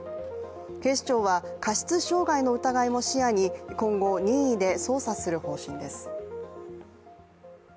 警視庁は過失傷害の疑いも視野に今後、任意で捜査する方針です。